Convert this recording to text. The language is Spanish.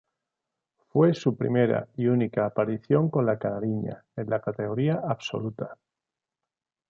Fue su primera y única aparición con la "canarinha" en la categoría absoluta.